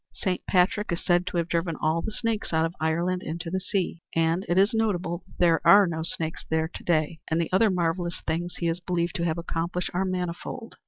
Saint Patrick is said to have driven all the snakes out of Ireland into the sea and it is notable that there are no snakes there to day. And the other marvelous things he is believed to have accomplished are manifold.